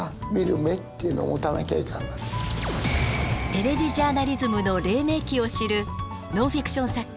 テレビジャーナリズムの黎明期を知るノンフィクション作家